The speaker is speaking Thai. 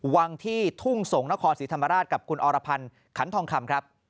วังที่ทุ่งสงศ์นครศรีธรรมราชกับคุณอรพันธ์ขันทองคำครับ